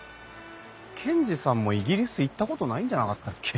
賢治さんもイギリス行ったことないんじゃなかったっけ？